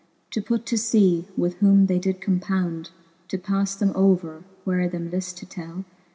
To put to lea, with whom they did compound, To pafle them over, where them lift to tell.